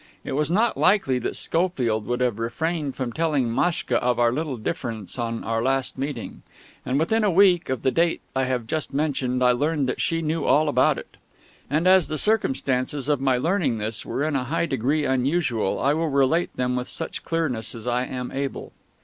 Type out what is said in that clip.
It was not likely that Schofield would have refrained from telling Maschka of our little difference on our last meeting; and within a week of the date I have just mentioned I learned that she knew all about it. And, as the circumstances of my learning this were in a high degree unusual, I will relate them with such clearness as I am able.